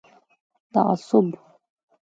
تعصب